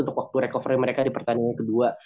untuk waktu recovery mereka di pertandingan kedua